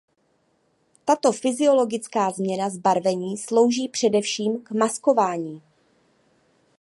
Tato fyziologická změna zbarvení slouží především k maskování.